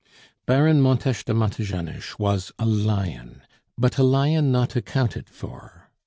Baron Montes de Montejanos was a lion, but a lion not accounted for.